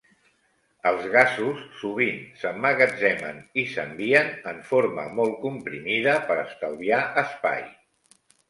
Els gasos sovint s'emmagatzemen i s'envien en forma molt comprimida, per estalviar espai.